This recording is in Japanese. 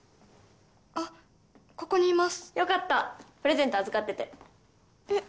あっここにいますよかったプレゼント預かっててえっ